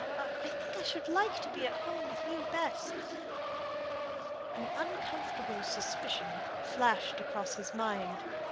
I think I should like to be at home with you best." An uncomfortable suspicion flashed across his mind.